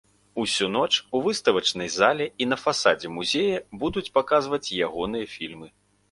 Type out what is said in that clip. Усю ноч у выставачнай зале і на фасадзе музея будуць паказваць ягоныя фільмы.